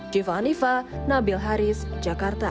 jeeva anifah nabil haris jakarta